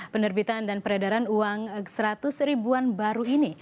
penerbitan dan peredaran uang seratus ribuan baru ini